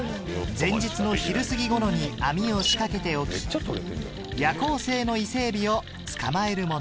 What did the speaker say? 前日の昼すぎ頃に網を仕掛けておき夜行性の伊勢えびを捕まえるもの